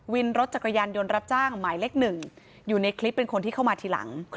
วินรถจักรยานยนต์รับจ้างหมายเลขหนึ่งอยู่ในคลิปเป็นคนที่เข้ามาทีหลัง